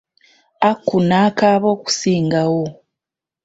Aku n'akaaba okusingawo.